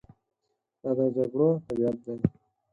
دا د جګړو طبیعت دی.